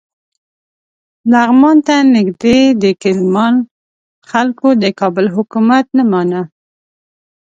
لغمان ته نږدې د کیلمان خلکو د کابل حکومت نه مانه.